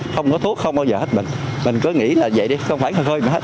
không có thuốc không bao giờ hết bệnh mình cứ nghĩ là vậy đi không phải khơi mà hết